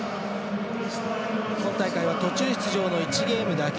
今大会は途中出場の１ゲームだけ。